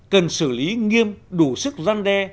cần xử lý nghiêm đủ sức răn đe